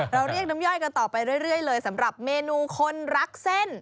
เรียกน้ำย่อยกันต่อไปเรื่อยเลยสำหรับเมนูคนรักเส้น